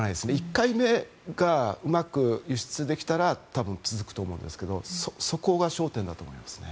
１回目がうまく輸出できたら多分続くと思うんですけどそこが焦点だと思いますね。